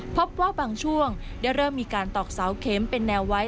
พบว่าบางช่วงได้เริ่มมีการตอกเสาเข็มเป็นแนวไว้